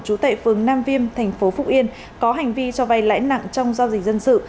chú tệ phương nam viêm tp phúc yên có hành vi cho vay lãi nặng trong giao dịch dân sự